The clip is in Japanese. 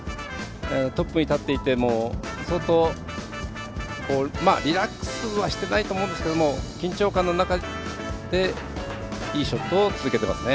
トップに立っていても相当、リラックスはしていないと思うんですが緊張感の中でいいショットを続けてますね。